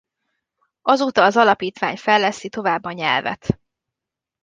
Azóta az alapítvány fejleszti tovább a nyelvet.